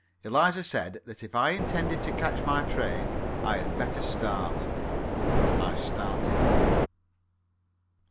Eliza said that if I intended to catch my train I had better start. I started.